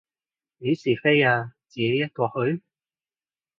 幾時飛啊，自己一個去？